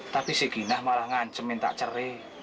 tapi si ginah malah ngancemin tak cere